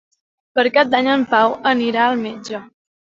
Per Cap d'Any en Pau anirà al metge.